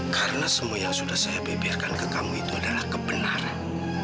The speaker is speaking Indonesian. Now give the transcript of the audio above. karena semua yang sudah saya beberkan ke kamu itu adalah kebenaran